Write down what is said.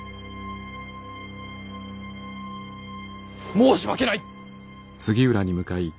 申し訳ない。